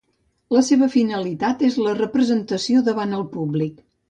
La seva finalitat és la representació davant el públic.